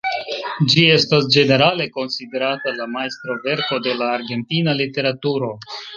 Ĝi estas ĝenerale konsiderata la majstroverko de la argentina literaturo.